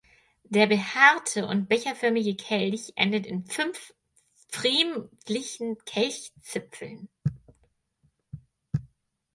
Der behaarte und becherförmige Kelch endet in fünf pfriemlichen Kelchzipfel.